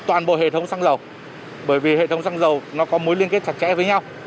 toàn bộ hệ thống xăng lọc bởi vì hệ thống xăng dầu nó có mối liên kết chặt chẽ với nhau